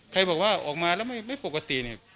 ใครบอกว่าออกมาแล้วไม่ปกติเนี่ย